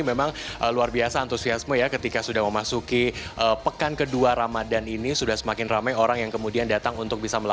memang luar biasa antusiasme ya ketika sudah memasuki pekan kedua ramadhan ini sudah semakin ramai orang yang kemudian datang untuk bisa melakukan